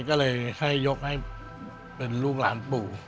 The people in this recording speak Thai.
ก็เลยให้ยกให้เป็นลูกหลานปู่